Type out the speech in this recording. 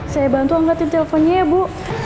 saya bantu angkatin telponnya ya bu